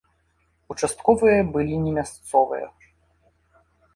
Участковыя былі не мясцовыя.